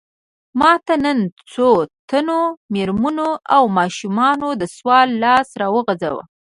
ماته نن څو تنو مېرمنو او ماشومانو د سوال لاس راوغځاوه.